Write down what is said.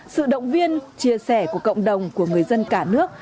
sự động viên chia sẻ của cộng đồng của người dân cả nước